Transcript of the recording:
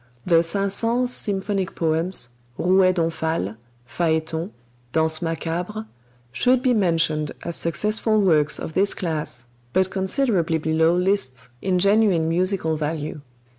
The Saint Saëns symphonic poems, "Rouet d'Omphale," "Phaeton," "Danse Macabre," should be mentioned as successful works of this class, but considerably below Liszt's in genuine musical value.